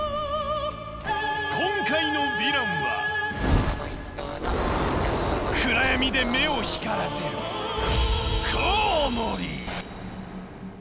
今回のヴィランは暗闇で目を光らせるコウモリ！